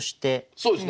そうですね。